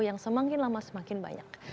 yang semakin lama semakin banyak